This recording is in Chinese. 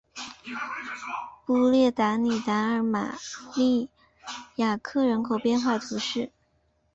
布列塔尼达尔马尼亚克人口变化图示